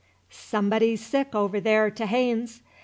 "Somebody sick over there t' Haynes's.